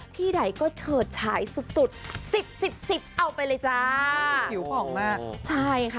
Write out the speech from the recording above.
พี่ได้ก็เฉิดฉายสุดสิบเอาไปเลยจ้า